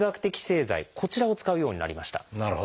こちらを使うようになりました。